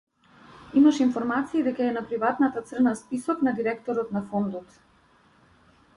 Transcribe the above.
Имаше информации дека е на приватната црна список на директорот на фондот.